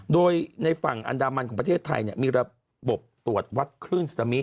โดยในฝั่งอันดามันของประเทศไทยมีระบบตรวจวัดคลื่นซึนามิ